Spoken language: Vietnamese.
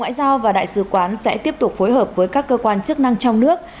ngoại giao và đại sứ quán sẽ tiếp tục phối hợp với các cơ quan chức năng trong nước